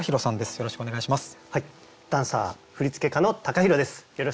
よろしくお願いします。